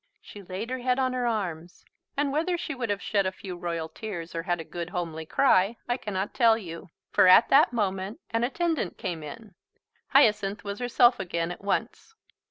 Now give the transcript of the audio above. She laid her head on her arms; and whether she would have shed a few royal tears or had a good homely cry, I cannot tell you. For at that moment an attendant came in. Hyacinth was herself again at once.